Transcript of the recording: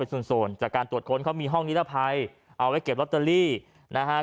ส่วนจากการตรวจค้นเขามีห้องนิรภัยเอาไว้เก็บลอตเตอรี่นะฮะ